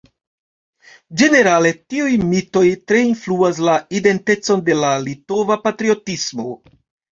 Ĝenerale tiuj mitoj tre influas la identecon de la litova patriotismo.